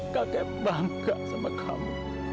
kakek bangga sama kamu